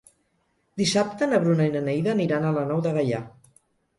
Dissabte na Bruna i na Neida aniran a la Nou de Gaià.